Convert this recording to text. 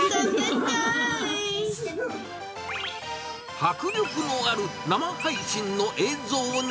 迫力のある生配信の映像に。